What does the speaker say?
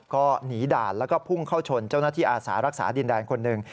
ก็หนีด่านแล้วก็พุ่งเข้าชนเจ้าหน้าที่อาสารักษาดินแดนคนหนึ่ง